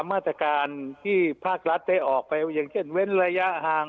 มาตรการที่ภาครัฐได้ออกไปอย่างเช่นเว้นระยะห่าง